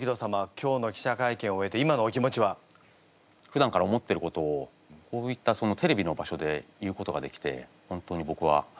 今日の記者会見を終えて今のお気持ちは？ふだんから思ってることをこういったテレビの場所で言うことができて本当にぼくは光栄です。